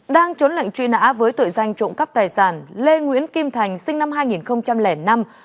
đang trốn lệnh truy nã với tội danh trộm cắp tài sản lê nguyễn kim thành sinh năm hai nghìn năm